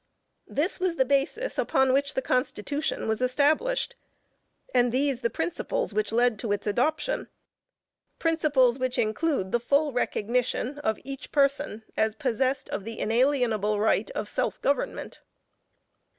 This was the basis upon which the Constitution was established, and these, the principles which led to its adoption; principles which include the full recognition of each person as possessed of the inalienable right of self government.